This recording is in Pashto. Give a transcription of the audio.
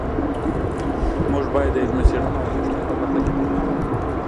موږ باید د علمي څیړنو او نوښتونو په برخه کی پرمختګ ورکړو